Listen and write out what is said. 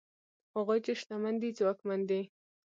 هغوی چې شتمن دي ځواکمن دي؛